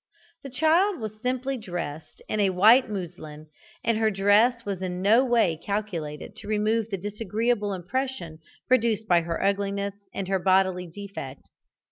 The child was simply dressed in white muslin, and her dress was in no way calculated to remove the disagreeable impression produced by her ugliness and bodily defect.